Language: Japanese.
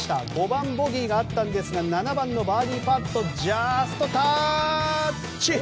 番ボギーがあったあと７番のバーディーパットジャストタッチ。